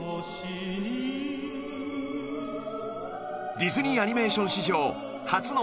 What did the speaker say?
［ディズニーアニメーション史上初の］